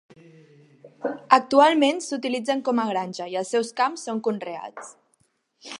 Actualment s'utilitzen com a granja i els seus camps són conreats.